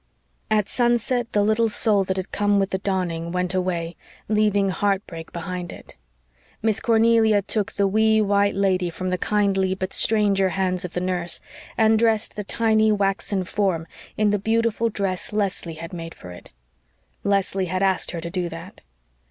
At sunset the little soul that had come with the dawning went away, leaving heartbreak behind it. Miss Cornelia took the wee, white lady from the kindly but stranger hands of the nurse, and dressed the tiny waxen form in the beautiful dress Leslie had made for it. Leslie had asked her to do that.